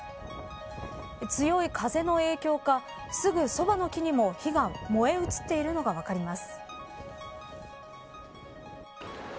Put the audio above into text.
強い風の影響かすぐそばの木にも火が燃え移っているのが分かります。